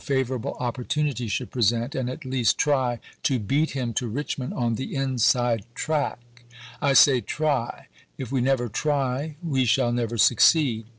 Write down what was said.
favorable opportunity should present, and at least try to beat him to Richmond on the inside track, I say '^ try"; if we never try we shall never succeed.